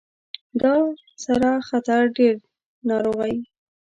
دا سره خطر ډیر ناروغۍ